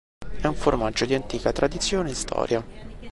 È un formaggio di antica tradizione e storia.